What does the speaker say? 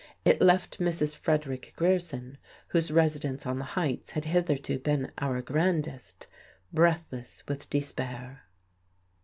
It left Mrs. Frederick Grierson whose residence on the Heights had hitherto been our "grandest" breathless with despair.